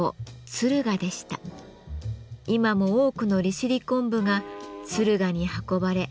今も多くの利尻昆布が敦賀に運ばれ